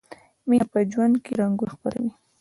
مینه په ژوند کې رنګونه خپروي.